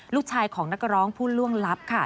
ลูกชายของนักร้องผู้ล่วงลับค่ะ